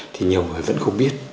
thì nhiều người vẫn không biết